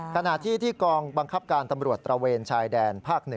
ขณะที่ที่กองบังคับการตำรวจตระเวนชายแดนภาค๑